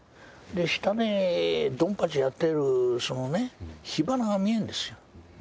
下でドンパチやってるその火花が見えるんですよ。